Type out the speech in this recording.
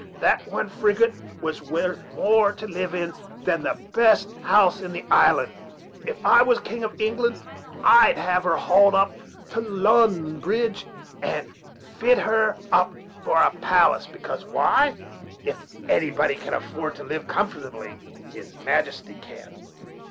That one frigate was well worth more, to live in, than the best house in the island. If I was king of England I'd have her hauled up above Lon'on bridge, and fit her up for a palace; because why? if anybody can afford to live comfortably, his majesty can."